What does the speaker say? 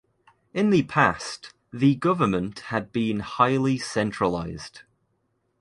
In the past, the government had been highly centralized.